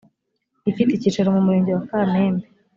ifite icyicaro mu murenge wa kamembe.